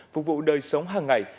phục vụ đời sống hàng ngày